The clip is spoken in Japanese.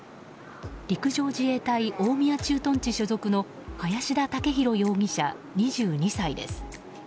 陸上自衛隊大宮駐屯地所属の林田武紘容疑者、２２歳です。